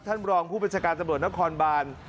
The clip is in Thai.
ท่านบรองผู้บริษัการตำรวจนักคอนบาล